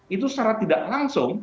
itu secara tidak langsung